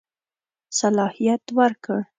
صلاحیت ورکړ.